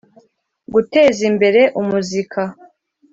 guteza imbere umuzika